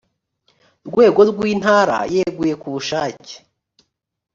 rwego rw intara yeguye ku bushake